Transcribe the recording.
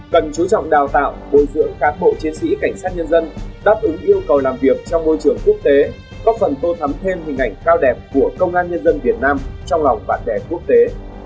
cần chú trọng đào tạo bồi dưỡng cán bộ chiến sĩ cảnh sát nhân dân đáp ứng yêu cầu làm việc trong môi trường quốc tế góp phần tô thắm thêm hình ảnh cao đẹp của công an nhân dân việt nam trong lòng bạn bè quốc tế